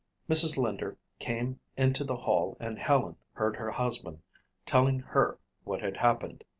Mrs. Linder came into the hall and Helen heard her husband telling her what had happened.